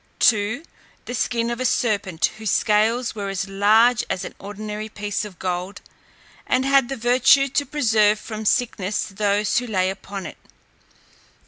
2. The skin of a serpent, whose scales were as large as an ordinary piece of gold, and had the virtue to preserve from sickness those who lay upon it.